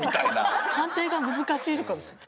判定が難しいのかもしれない。